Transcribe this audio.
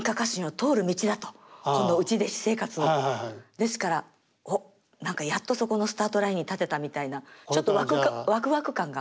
ですからおっ何かやっとそこのスタートラインに立てたみたいなちょっとわくわく感が。